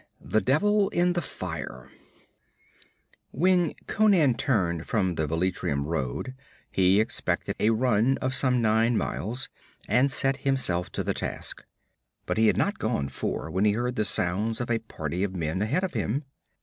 7 The Devil in the Fire When Conan turned from the Velitrium road he expected a run of some nine miles and set himself to the task. But he had not gone four when he heard the sounds of a party of men ahead of him.